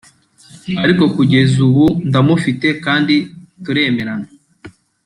Ariko kugeza ubu ndamufite kandi turemerana